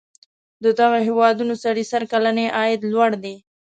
د دغو هیوادونو سړي سر کلنی عاید لوړ دی.